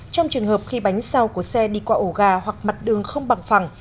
trong trường hợp khi bánh sau của xe đi qua ổ gà hoặc mặt đường không bằng phẳng